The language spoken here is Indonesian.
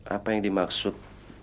apa yang dimaksud